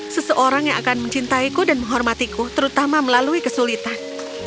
seseorang yang akan mencintaiku dan menghormatiku terutama melalui kesulitan